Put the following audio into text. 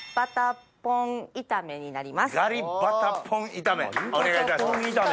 ガリバタポン炒めお願いいたします。